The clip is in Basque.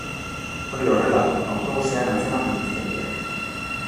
Hori horrela, autobusean atzeman dituzte biak.